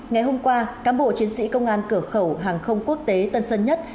ngày hôm qua cám bộ chiến sĩ công an cửa khẩu hàng không quốc tế tân sơn nhất